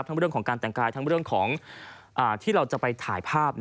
เรื่องของการแต่งกายทั้งเรื่องของที่เราจะไปถ่ายภาพ